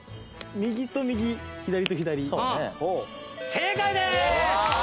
正解です。